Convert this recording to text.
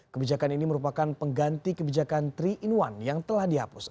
kebijakan ini merupakan pengganti kebijakan tiga in satu yang telah dihapus